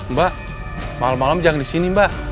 mbak malem malem jangan di sini mbak